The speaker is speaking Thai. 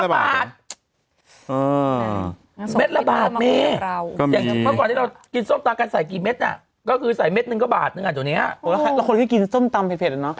แล้วคนที่กินซุปตาเผ็ดอันนั้นเนาะ